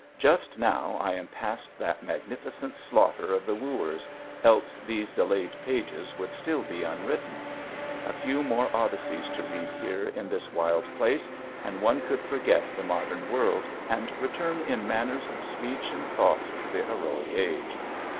Just now I am past that magnificent slaughter of the wooers, else these delayed pages would still be unwritten. A few more Odysseys to read here in this wild place and one could forget the modern world and return in manners and speech and thought to the heroic age.